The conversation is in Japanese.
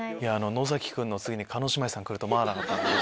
野崎君の次に叶姉妹さん来ると思わなかったんで。